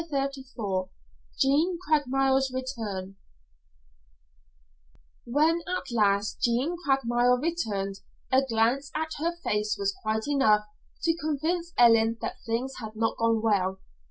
CHAPTER XXXIV JEAN CRAIGMILE'S RETURN When at last Jean Craigmile returned, a glance at her face was quite enough to convince Ellen that things had not gone well.